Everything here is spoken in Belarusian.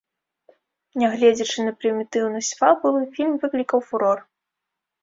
Нягледзячы на прымітыўнасць фабулы, фільм выклікаў фурор.